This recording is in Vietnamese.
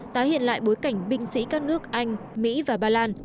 tái hiện lại bối cảnh binh sĩ các nước anh mỹ và bà lan